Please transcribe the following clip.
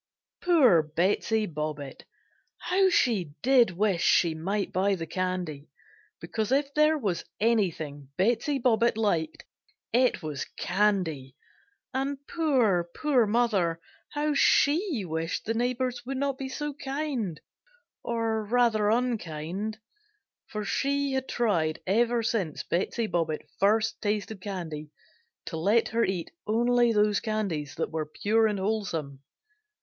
Poor Betsey Bobbitt how she did wish she might buy the candy, because if there was anything Betsey Bobbitt liked it was candy; and poor, poor mother how she wished the neighbors would not be so kind, or rather unkind, for she had tried ever since Betsey Bobbitt first tasted candy to let her eat only those candies that were pure and wholesome!